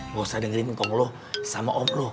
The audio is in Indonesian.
gak usah dengerin kong lo sama om lo